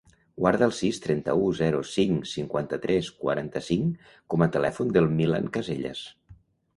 Guarda el sis, trenta-u, zero, cinc, cinquanta-tres, quaranta-cinc com a telèfon del Milan Casellas.